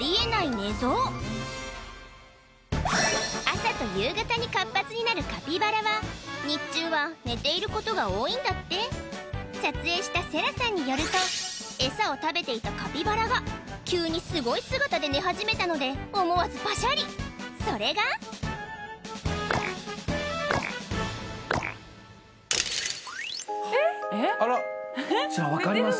朝と夕方に活発になるカピバラは日中は寝ていることが多いんだって撮影したセラさんによるとエサを食べていたカピバラが急にすごい姿で寝始めたので思わずパシャリそれがこちらわかります？